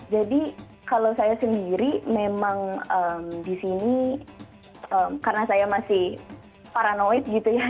jadi kalau saya sendiri memang di sini karena saya masih paranoid gitu ya